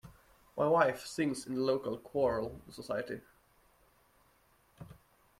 My wife sings in the local choral society